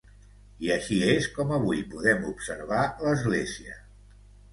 I així és com avui podem observar l'església.